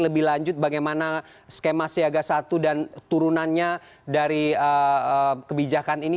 lebih lanjut bagaimana skema siaga satu dan turunannya dari kebijakan ini